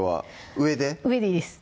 上でいいです